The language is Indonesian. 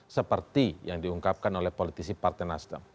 seperti yang diungkapkan oleh politisi partai nasdem